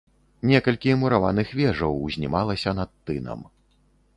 Некалькі мураваных вежаў узнімалася над тынам.